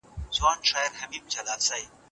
استاد به د شاګرد مسوده بدله کړي.